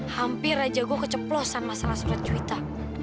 hampir aja gue keceplosan masalah surat juwita